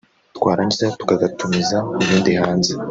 twarangiza tugakatumiza ibindi hanze